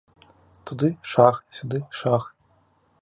Туды шах, сюды шах.